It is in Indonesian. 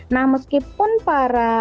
nah meskipun para